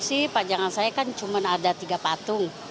cukup sih panjangnya saya kan cuma ada tiga patung